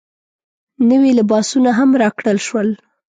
نوي لباسونه هم راکړل شول.